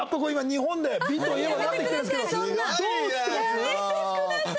やめてください！